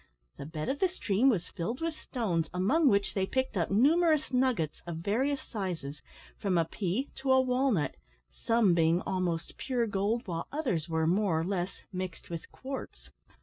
The bed of the stream was filled with stones, among which they picked up numerous nuggets of various sizes from a pea to a walnut some being almost pure gold, while others were, more or less, mixed with quartz.